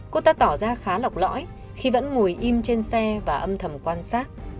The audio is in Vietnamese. cô ta tỏ ra khá lọc lõi khi vẫn ngồi im trên xe và âm thầm quan sát